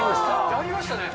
やりましたね。